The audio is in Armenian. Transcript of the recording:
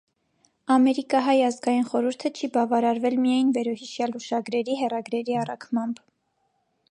Ամերիկահայ ազգային խորհուրդը չի բավարարվել միայն վերոհիշյալ հուշագրերի, հեռագրերի առաքմամբ։